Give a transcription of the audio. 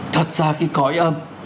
thật ra cái cõi âm